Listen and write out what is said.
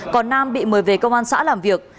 còn nam bị mời về công an xã làm việc